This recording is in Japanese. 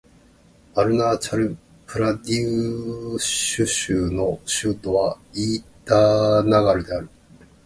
アルナーチャル・プラデーシュ州の州都はイーターナガルである